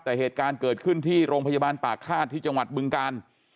แต่เหตุการณ์เกิดขึ้นที่โรงพยาบาลปากฆาตที่จังหวัดบึงกาล